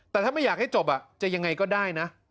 แต่ถ้าไม่อยากให้จบจะยังไงก็ได้นะ